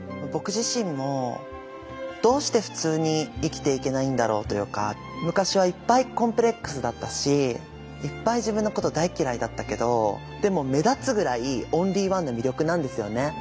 僕自身もどうして普通に生きていけないんだろうというか昔はいっぱいコンプレックスだったしいっぱい自分のこと大嫌いだったけどでも目立つぐらいオンリーワンの魅力なんですよね。